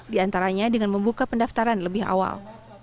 di antaranya dengan membuka pendaftaran lebih awal